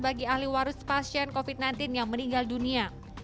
bagi ahli warus pasien covid sembilan belas yang meninggal dunia